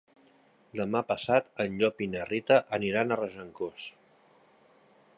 Demà passat en Llop i na Rita aniran a Regencós.